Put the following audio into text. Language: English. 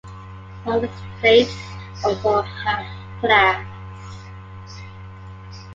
Some of its states also have flags.